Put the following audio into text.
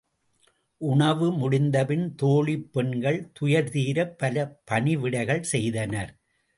உணவு முடிந்தபின் தோழிப் பெண்கள் துயர்தீரப் பல பணிவிடைகள் செய்தனர்.